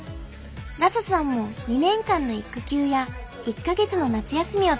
ラサさんも２年間の育休や１か月の夏休みを取りました。